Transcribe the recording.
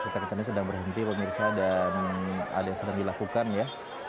kereta kencanaan sedang berhenti pak mirsa dan ada yang sering dilakukan ya